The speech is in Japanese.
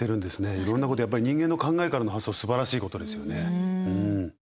いろんなことやっぱり人間の考えからの発想すばらしいことですよね。